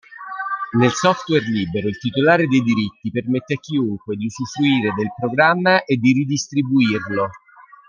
Nel software libero, il titolare dei diritti permette a chiunque di usufruire del programma e di ridistribuirlo.